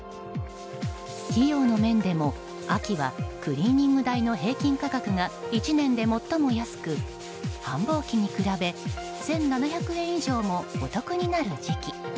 費用の面でも秋はクリーニング代の平均価格が１年で最も安く繁忙期に比べ１７００円以上もお得になる時期。